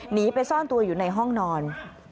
หนีไปซ่อนตัวอยู่ในห้องนอน